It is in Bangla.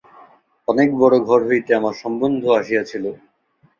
অনেক বড়ো ঘর হইতে আমার সম্বন্ধ আসিয়াছিল।